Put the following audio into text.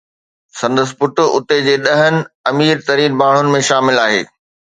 سندس پٽ اتي جي ڏهن امير ترين ماڻهن ۾ شامل آهي.